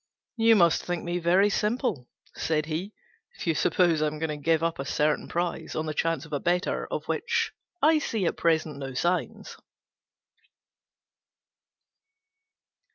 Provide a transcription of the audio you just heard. "You must think me very simple," said he, "if you suppose I am going to give up a certain prize on the chance of a better of which I see at present no signs."